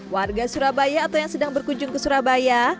warga surabaya atau yang sedang berkunjung ke surabaya